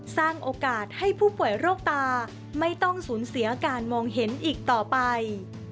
สร้างโอกาสให้ผู้ป่วยโรคตาไม่ต้องสูญเสียการมองเห็นอีกต่อไป